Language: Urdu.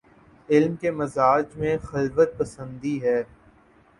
علم کے مزاج میں خلوت پسندی ہے۔